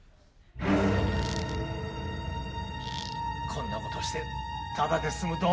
こんなことしてただで済むと思うなよ。